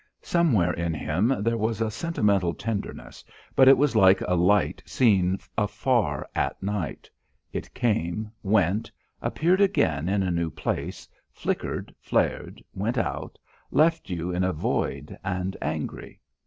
Somewhere in him there was a sentimental tenderness, but it was like a light seen afar at night; it came, went, appeared again in a new place, flickered, flared, went out, left you in a void and angry.